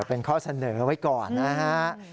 เป็นข้อเสนอไว้ก่อนนะฮะ